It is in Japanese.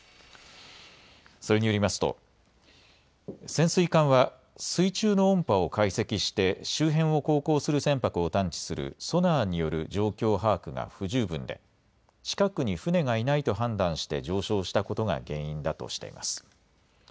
それによりますと潜水艦は水中の音波を解析して周辺を航行する船舶を探知するソナーによる状況把握が不十分で近くに船がいないと判断して上昇したことが原因だとしています。